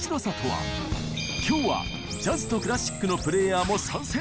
今日はジャズとクラシックのプレイヤーも参戦。